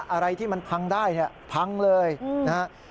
อะไรที่มันพังได้พังเลยนะฮะ